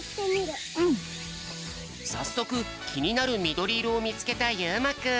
さっそくきになるみどりいろをみつけたゆうまくん。